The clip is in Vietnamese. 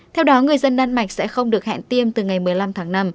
theo đó người dân đan mạch sẽ không được hẹn tiêm từ ngày một mươi năm tháng năm